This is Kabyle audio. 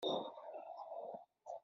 Ilaq ad seggmeɣ usi-nu.